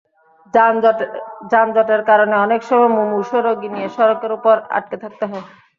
যানজটের কারণে অনেক সময় মুমূর্ষু রোগী নিয়ে সড়কের ওপর আটকে থাকতে হয়।